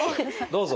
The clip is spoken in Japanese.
どうぞ。